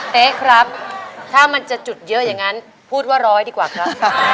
เต๊ะครับถ้ามันจะจุดเยอะอย่างนั้นพูดว่าร้อยดีกว่าครับ